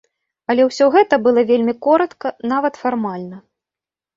Але ўсё гэта было вельмі коратка, нават фармальна.